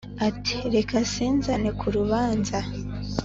Ati: "Reka nsizane ku rubanza,